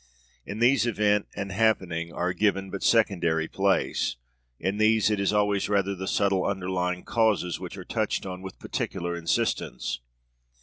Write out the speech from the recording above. In these event and happening are given but secondary place; in these it is always rather the subtle underlying causes which are touched on with particular insistence.